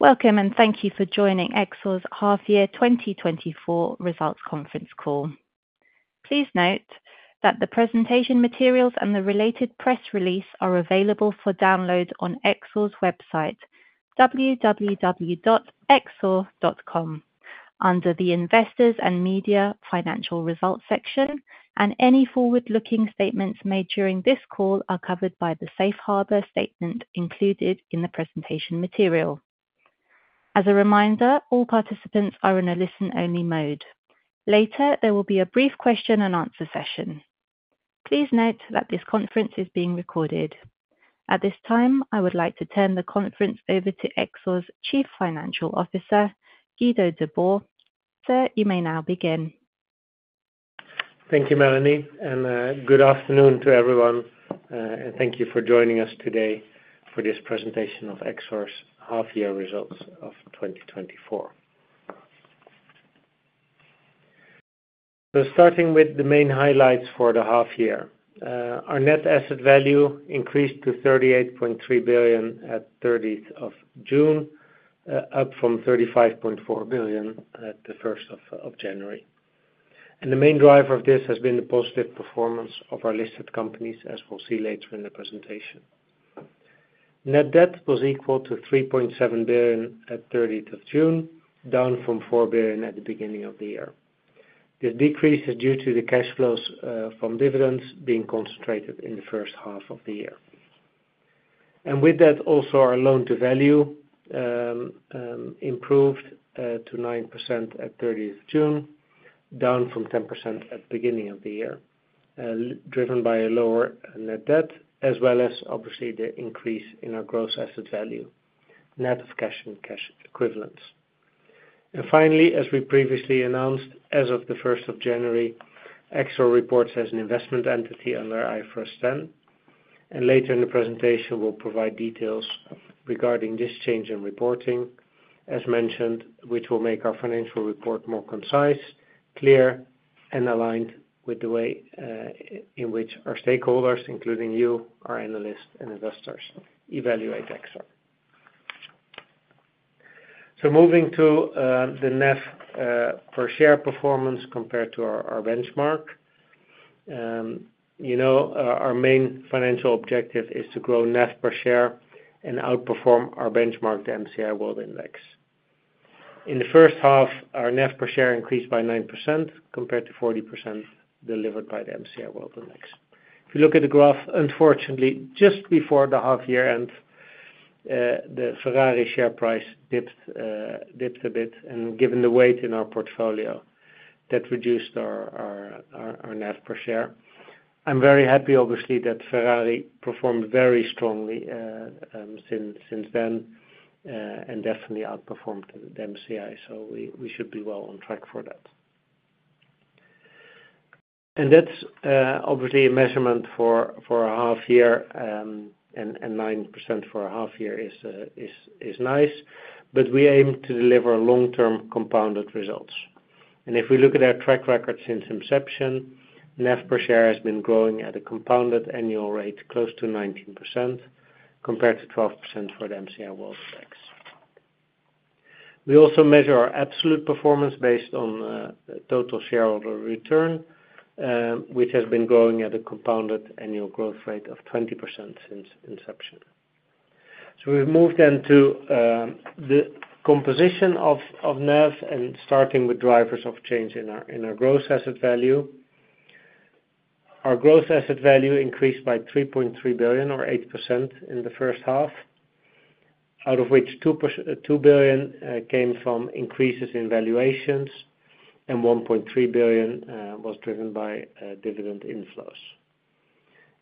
Welcome, and thank you for joining Exor's half-year 2024 results Conference Call. Please note that the presentation materials and the related press release are available for download on Exor's website, www.exor.com, under the Investors and Media Financial Results section, and any forward-looking statements made during this call are covered by the safe harbor statement included in the presentation material. As a reminder, all participants are in a listen-only mode. Later, there will be a brief question and answer session. Please note that this conference is being recorded. At this time, I would like to turn the conference over to Exor's Chief Financial Officer, Guido de Boer. Sir, you may now begin. Thank you, Melanie, and good afternoon to everyone. And thank you for joining us today for this presentation of Exor's half year results of 2024. So starting with the main highlights for the half year. Our net asset value increased to 38.3 billion at thirtieth of June, up from 35.4 billion at the first of January. And the main driver of this has been the positive performance of our listed companies, as we'll see later in the presentation. Net debt was equal to 3.7 billion at thirtieth of June, down from 4 billion at the beginning of the year. This decrease is due to the cash flows from dividends being concentrated in the first half of the year. And with that, also, our loan-to-value improved to 9% at thirtieth June, down from 10% at the beginning of the year, driven by a lower net debt, as well as obviously the increase in our gross asset value, net of cash and cash equivalents. And finally, as we previously announced, as of the first of January, Exor reports as an investment entity under IFRS 10, and later in the presentation, we'll provide details regarding this change in reporting, as mentioned, which will make our financial report more concise, clear, and aligned with the way in which our stakeholders, including you, our analysts and investors, evaluate Exor. So moving to the NAV per share performance compared to our benchmark. You know, our main financial objective is to grow NAV per share and outperform our benchmark, the MSCI World Index. In the first half, our NAV per share increased by 9%, compared to 40% delivered by the MSCI World Index. If you look at the graph, unfortunately, just before the half-year end, the Ferrari share price dipped a bit, and given the weight in our portfolio, that reduced our NAV per share. I'm very happy, obviously, that Ferrari performed very strongly since then, and definitely outperformed the MSCI, so we should be well on track for that, and that's obviously a measurement for a half year, and 9% for a half year is nice, but we aim to deliver long-term compounded results. If we look at our track record since inception, NAV per share has been growing at a compounded annual rate close to 19%, compared to 12% for the MSCI World Index. We also measure our absolute performance based on total shareholder return, which has been growing at a compounded annual growth rate of 20% since inception. We've moved then to the composition of NAV and starting with drivers of change in our gross asset value. Our gross asset value increased by 3.3 billion, or 8% in the first half, out of which 2 billion came from increases in valuations and 1.3 billion was driven by dividend inflows.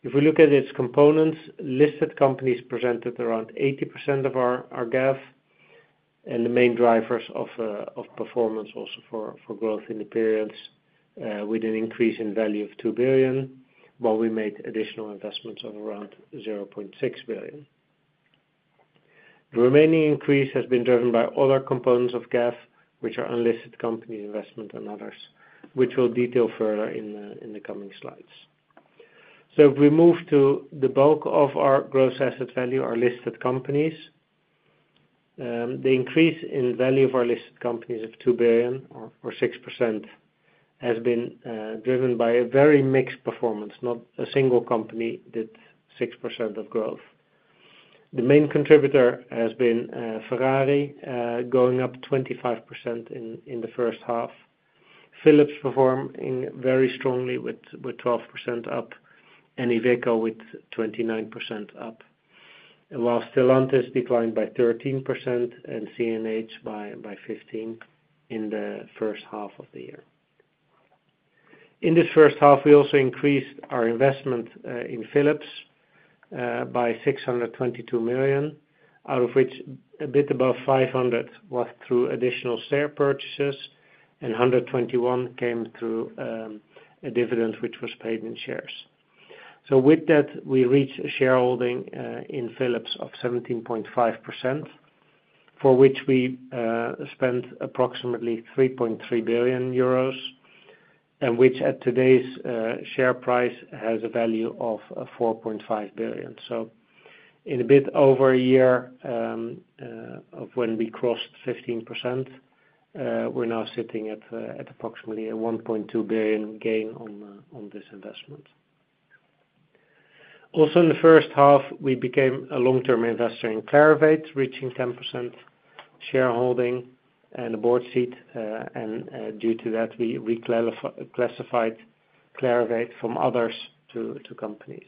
If we look at its components, listed companies presented around 80% of our GAV, and the main drivers of performance also for growth in the periods, with an increase in value of 2 billion, while we made additional investments of around 0.6 billion. The remaining increase has been driven by other components of GAV, which are unlisted companies, investment, and others, which we'll detail further in the coming slides. So if we move to the bulk of our gross asset value, our listed companies, the increase in value of our listed companies of 2 billion or 6%, has been driven by a very mixed performance. Not a single company did 6% of growth. The main contributor has been Ferrari, going up 25% in the first half. Philips performed very strongly with 12% up, and Iveco with 29% up, and while Stellantis declined by 13% and CNH by 15% in the first half of the year. In this first half, we also increased our investment in Philips by 622 million, out of which a bit above 500 was through additional share purchases, and 121 came through a dividend which was paid in shares. So with that, we reached a shareholding in Philips of 17.5%, for which we spent approximately 3.3 billion euros, and which at today's share price has a value of 4.5 billion EUR. So in a bit over a year of when we crossed 15%, we're now sitting at approximately a 1.2 billion gain on this investment. Also, in the first half, we became a long-term investor in Clarivate, reaching 10% shareholding and a board seat, and due to that, we reclassified Clarivate from others to companies.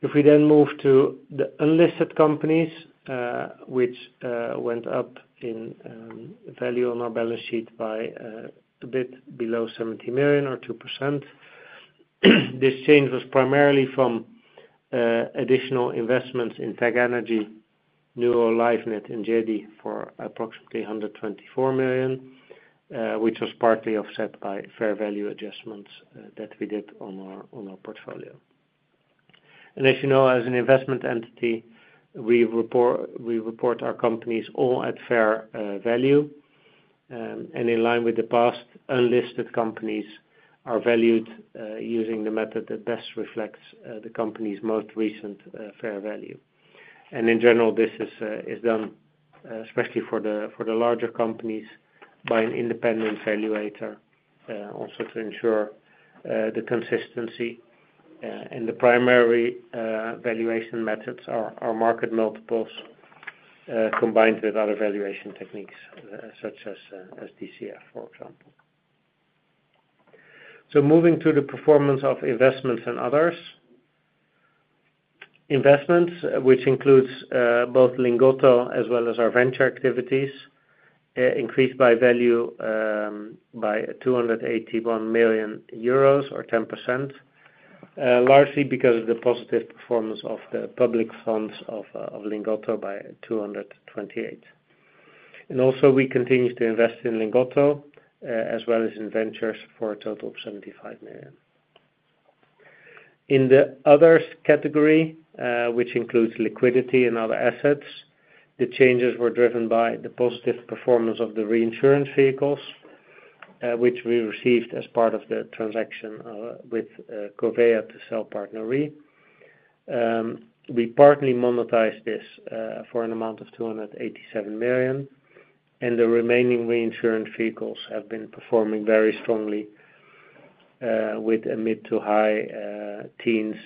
If we then move to the unlisted companies, which went up in value on our balance sheet by a bit below 70 million or 2%. This change was primarily from additional investments in TagEnergy, Lifenet, NUO, and GEDI for approximately 124 million, which was partly offset by fair value adjustments that we did on our portfolio. As you know, as an investment entity, we report our companies all at fair value. And in line with the past, unlisted companies are valued using the method that best reflects the company's most recent fair value. And in general, this is done especially for the larger companies by an independent valuator also to ensure the consistency, and the primary valuation methods are market multiples combined with other valuation techniques such as DCF, for example. So moving to the performance of investments and others. Investments, which includes both Lingotto as well as our venture activities, increased by value by 281 million euros or 10%, largely because of the positive performance of the public funds of Lingotto by 228. And also, we continued to invest in Lingotto as well as in ventures for a total of 75 million EUR. In the others category, which includes liquidity and other assets, the changes were driven by the positive performance of the reinsurance vehicles, which we received as part of the transaction with Covéa to sell PartnerRe. We partly monetized this for an amount of 287 million EUR, and the remaining reinsurance vehicles have been performing very strongly with a mid- to high-teens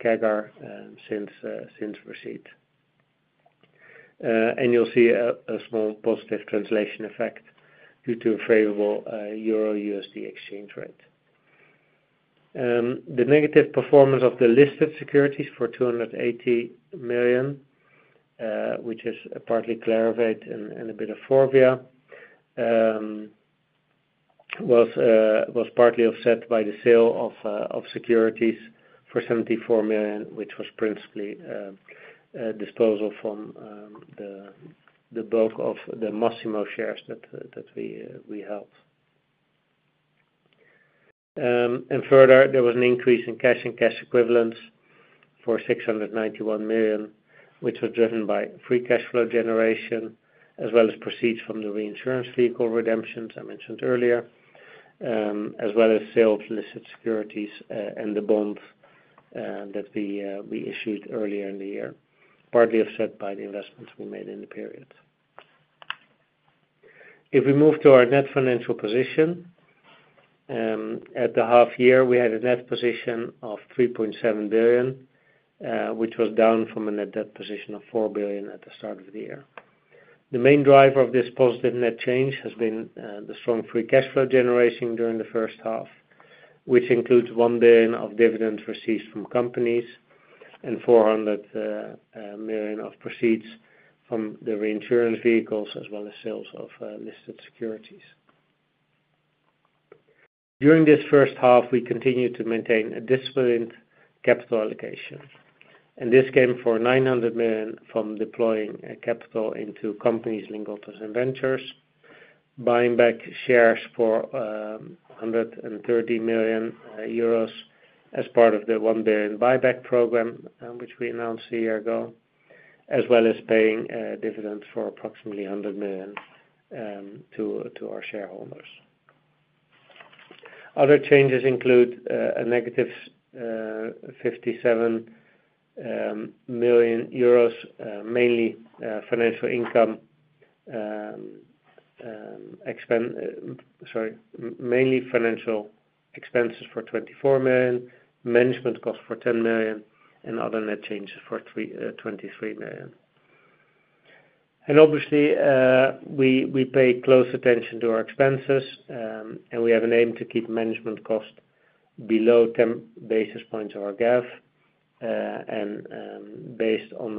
CAGR since receipt. And you'll see a small positive translation effect due to a favorable Euro-USD exchange rate. The negative performance of the listed securities for 280 million, which is partly Clarivate and a bit of FORVIA, was partly offset by the sale of securities for 74 million, which was principally a disposal from the bulk of the Masimo shares that we held. And further, there was an increase in cash and cash equivalents for 691 million, which was driven by free cash flow generation, as well as proceeds from the reinsurance vehicle redemptions I mentioned earlier, as well as sales of listed securities, and the bonds that we issued earlier in the year, partly offset by the investments we made in the period. If we move to our net financial position, at the half year, we had a net position of 3.7 billion, which was down from a net debt position of 4 billion at the start of the year. The main driver of this positive net change has been the strong free cash flow generation during the first half, which includes 1 billion of dividends received from companies and 400 million of proceeds from the reinsurance vehicles, as well as sales of listed securities. During this first half, we continued to maintain a disciplined capital allocation, and this came for 900 million from deploying capital into companies, Lingotto, and ventures, buying back shares for 130 million euros as part of the 1 billion buyback program, which we announced a year ago, as well as paying dividends for approximately 100 million to our shareholders. Other changes include a -57 million euros mainly financial income expend- Sorry, mainly financial expenses for 24 million, management costs for 10 million, and other net changes for 23 million. And obviously, we pay close attention to our expenses, and we have an aim to keep management costs below 10 basis points of our GAV. And, based on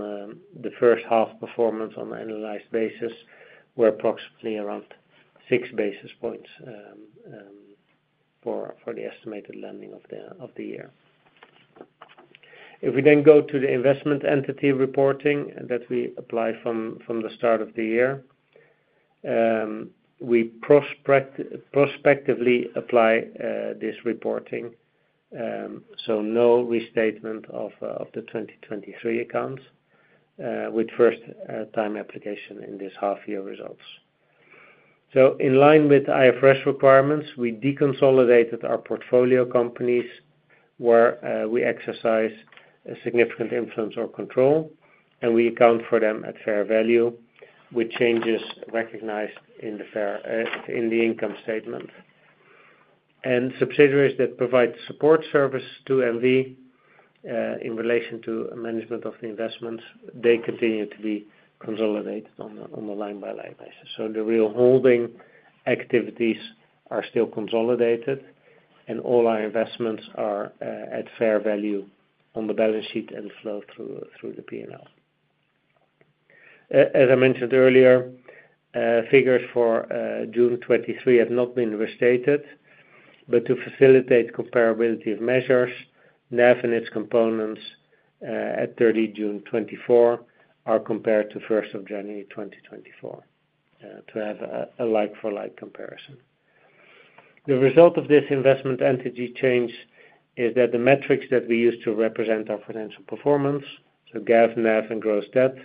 the first half performance on an annualized basis, we're approximately around six basis points for the estimated end of the year. If we then go to the investment entity reporting that we applied from the start of the year, we prospectively apply this reporting, so no restatement of the 23 accounts. With first time application in this half year results. So in line with IFRS requirements, we deconsolidated our portfolio companies where we exercise a significant influence or control, and we account for them at fair value, with changes recognized in the fair, in the income statement. And subsidiaries that provide support service to N.V. in relation to management of the investments, they continue to be consolidated on a line-by-line basis. So the real holding activities are still consolidated, and all our investments are at fair value on the balance sheet and flow through the PNL. As I mentioned earlier, figures for June 2023 have not been restated, but to facilitate comparability of measures, NAV and its components at 30 June 2024 are compared to 1 January 2024 to have a like-for-like comparison. The result of this investment entity change is that the metrics that we use to represent our financial performance, so GAV, NAV, and gross debt,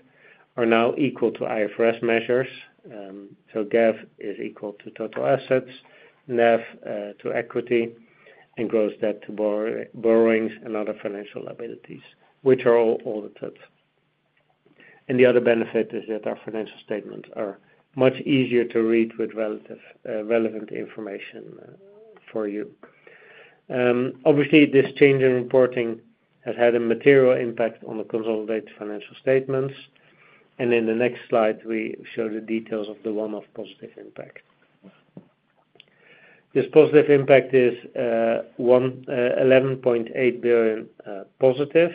are now equal to IFRS measures. So GAV is equal to total assets, NAV to equity, and gross debt to borrowings and other financial liabilities, which are all audited. And the other benefit is that our financial statements are much easier to read with relevant information for you. Obviously, this change in reporting has had a material impact on the consolidated financial statements, and in the next slide, we show the details of the one-off positive impact. This positive impact is 11.8 billion positive,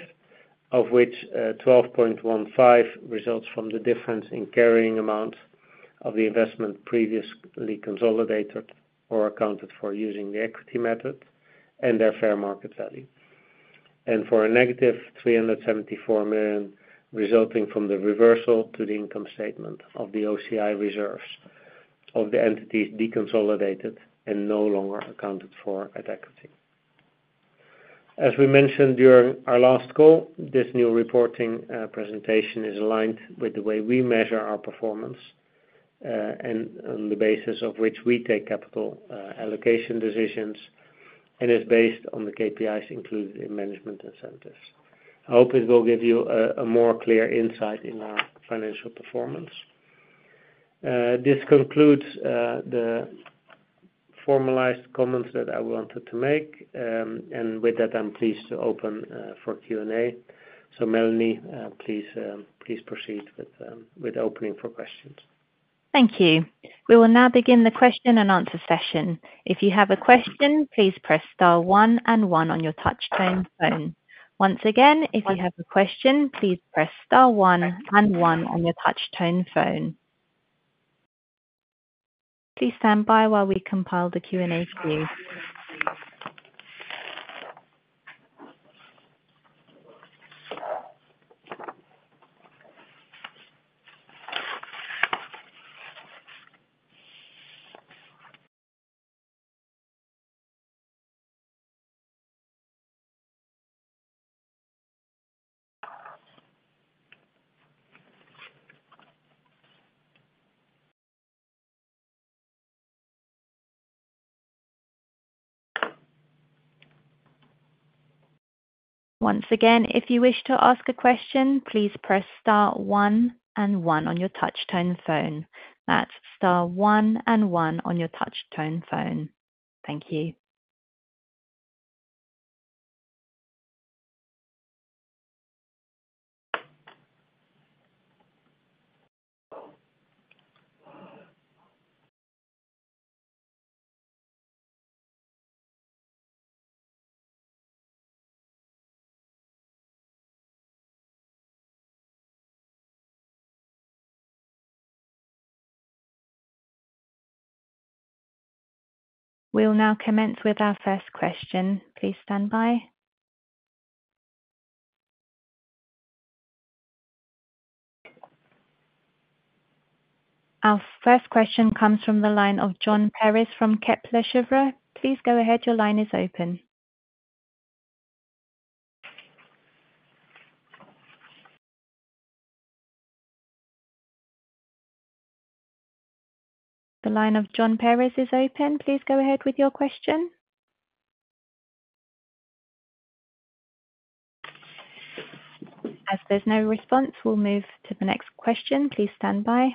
of which 12.15 results from the difference in carrying amount of the investment previously consolidated or accounted for using the equity method and their fair market value, and for a negative 374 million, resulting from the reversal to the income statement of the OCI reserves of the entities deconsolidated and no longer accounted for at equity. As we mentioned during our last call, this new reporting presentation is aligned with the way we measure our performance, and on the basis of which we take capital allocation decisions, and is based on the KPIs included in management incentives. I hope it will give you a more clear insight in our financial performance. This concludes the formalized comments that I wanted to make. With that, I'm pleased to open for Q&A. Melanie, please proceed with opening for questions. Thank you. We will now begin the question and answer session. If you have a question, please press star one and one on your touchtone phone. Once again, if you have a question, please press star one and one on your touchtone phone. Please stand by while we compile the Q&A queue. Once again, if you wish to ask a question, please press star one and one on your touchtone phone. That's star one and one on your touchtone phone. Thank you. We'll now commence with our first question. Please stand by. Our first question comes from the line of Jon Perez from Kepler Cheuvreux. Please go ahead, your line is open. The line of John Perez is open. Please go ahead with your question. As there's no response, we'll move to the next question. Please stand by.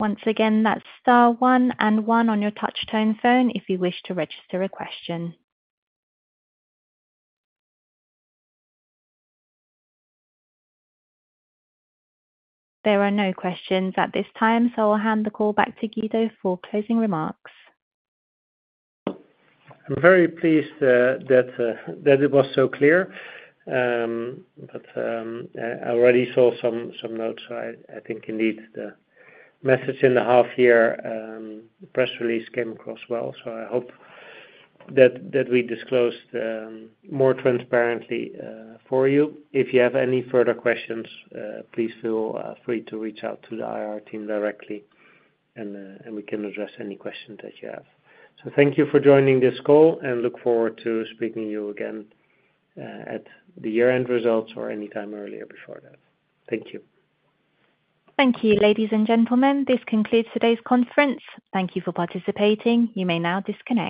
Once again, that's star one and one on your touchtone phone if you wish to register a question. There are no questions at this time, so I'll hand the call back to Guido for closing remarks. I'm very pleased that it was so clear. But I already saw some notes, so I think indeed the message in the half-year press release came across well, so I hope that we disclosed more transparently for you. If you have any further questions, please feel free to reach out to the IR team directly, and we can address any questions that you have, so thank you for joining this call, and look forward to speaking to you again at the year-end results or anytime earlier before that. Thank you. Thank you, ladies and gentlemen, this concludes today's conference. Thank you for participating. You may now disconnect.